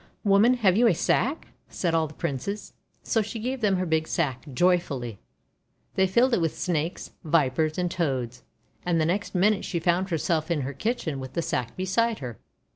'Woman, have you a sack?' said all the Princes. So she gave them her big sack, joyfully. They filled it with Snakes, Vipers, and Toads. And the next minute she found herself in her kitchen with the sack beside her.